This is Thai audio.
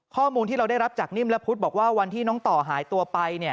ข้อมูลที่เราได้รับจากนิ่มและพุทธบอกว่าวันที่น้องต่อหายตัวไป